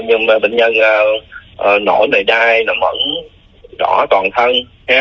nhưng mà bệnh nhân nổi đầy đai nó mẩn rõ toàn thân